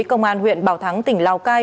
công an huyện bảo thắng tỉnh lào cai